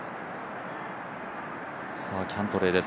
キャントレーです。